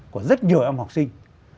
của rất nhiều em học sinh